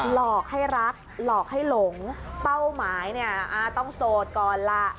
หลอกให้รักหลอกให้หลงเป้าหมายเนี่ยต้องโสดก่อนล่ะ